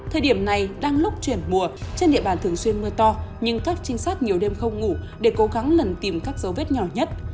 thời điểm này đang lúc chuyển mùa trên địa bàn thường xuyên mưa to nhưng các trinh sát nhiều đêm không ngủ để cố gắng lần tìm các dấu vết nhỏ nhất